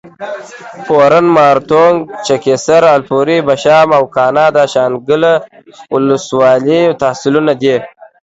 پورڼ، مارتونګ، چکېسر، الپورۍ، بشام او کاڼا د شانګله اولس والۍ تحصیلونه دي